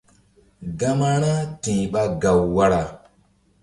Gama ra ti̧h ɓa gaw wara.